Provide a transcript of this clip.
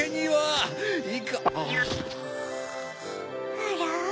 あら？